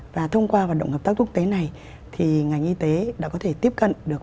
và thông qua hoạt động hợp tác quốc tế này thì ngành y tế đã có thể tiếp cận được